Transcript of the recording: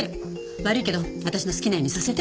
悪いけど私の好きなようにさせて。